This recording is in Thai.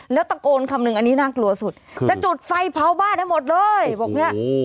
แล้วตะโกนคำหนึ่งอันนี้น่ากลัวสุดจะจุดไฟเผาบ้านให้หมดเลยบอกเนี่ย